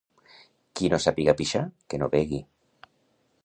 Qui no sàpiga pixar, que no begui.